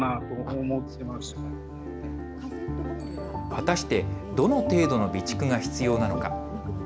果たしてどの程度の備蓄が必要なのか。